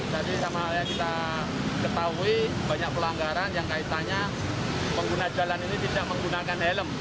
tadi sama yang kita ketahui banyak pelanggaran yang kaitannya pengguna jalan ini tidak menggunakan helm